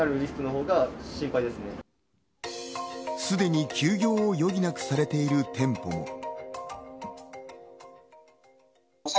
すでに休業を余儀なくされている店舗も。